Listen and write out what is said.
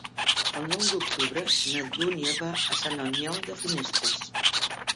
El nou d'octubre na Dúnia va a Sant Aniol de Finestres.